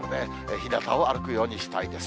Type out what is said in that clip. ひなたを歩くようにしたいです。